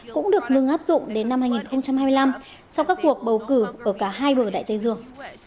cũng được ngừng áp dụng đến năm hai nghìn hai mươi năm sau các cuộc bầu cử ở cả hai bờ đại tây dương